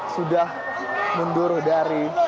sudah mundur dari